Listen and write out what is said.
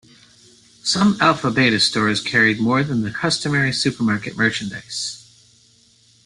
Some Alpha Beta stores carried more than the customary supermarket merchandise.